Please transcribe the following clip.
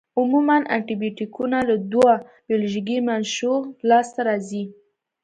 عموماً انټي بیوټیکونه له دوو بیولوژیکي منشأوو لاس ته راځي.